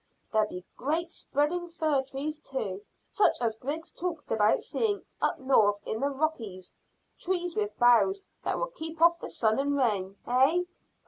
There'll be great spreading fir trees too, such as Griggs talked about seeing up north in the Rockies trees with boughs that will keep off the sun and rain, eh?"